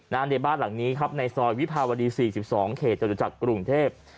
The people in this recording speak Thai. ในบ้านหลังนี้ครับในซอยวิภาวดี๔๒เขตจตุจักรกรุงเทพ